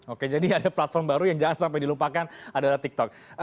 oke jadi ada platform baru yang jangan sampai dilupakan adalah tiktok